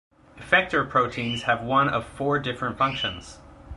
Effector proteins have one of four different functions.